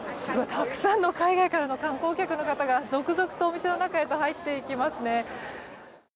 たくさんの海外からの観光客の方が続々とお店の中に入っていきますね。